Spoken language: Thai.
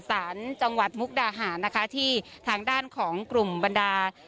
สารจังหวัดมุกดาหารนะคะที่ทางด้านของกลุ่มบรรดา